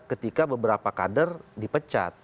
ketika beberapa kader dipecat